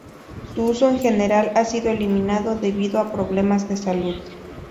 Su uso en general ha sido eliminado debido a problemas de salud.